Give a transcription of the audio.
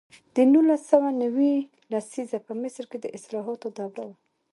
د نولس سوه نوي لسیزه په مصر کې د اصلاحاتو دوره وه.